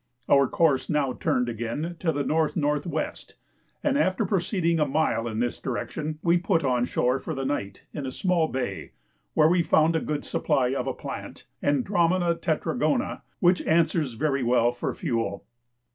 Our course now turned again to the N.N.W., and after proceeding a mile in this direction, we put on shore for the night in a small bay, where we found a good supply of a plant (andromeda tetragona), which answers very well for fuel.